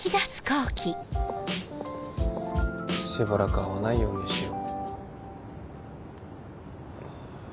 しばらく会わないようにしよ。